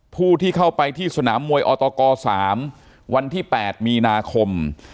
ผู้ที่เข้าไปที่สนามมวยอตก๓วันที่๘มีนาคม